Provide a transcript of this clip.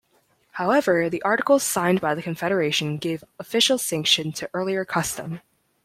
However, the articles signed by the Confederation gave official sanction to earlier custom.